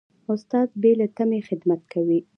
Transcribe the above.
استاد بې له تمې خدمت کوي.